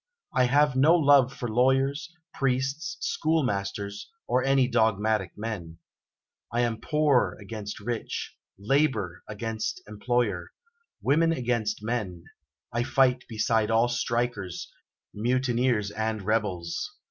I have no love for lawyers, priests, schoolmasters, or any dogmatic men. I am with poor against rich, labour against employer, women against men; I fight beside all strikers, mutineers, and rebels.